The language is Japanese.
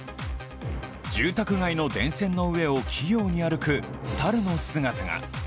住宅街の電線の上を器用に歩く猿の姿が。